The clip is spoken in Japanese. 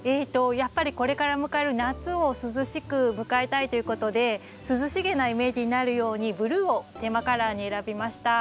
やっぱりこれから迎える夏を涼しく迎えたいということで涼しげなイメージになるようにブルーをテーマカラーに選びました。